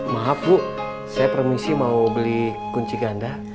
maaf bu saya permisi mau beli kunci ganda